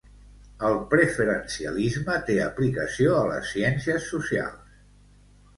El preferencialisme té aplicació a les ciències socials.